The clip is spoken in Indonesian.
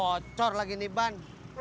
bocor lagi nih ban